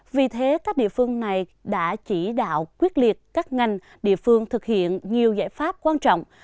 vì thế các địa phương này đã chỉ đạo quyết liệt các ngành địa phương thực hiện nhiều giải pháp quan trọng